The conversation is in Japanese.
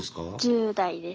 １０代です。